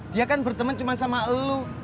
dia kan bertemen cuman sama elu